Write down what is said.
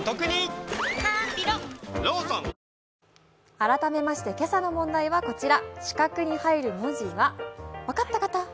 改めまして今朝の問題はこちら。